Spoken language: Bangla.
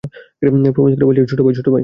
প্রমিস করে বলছি, ছোটু ভাই।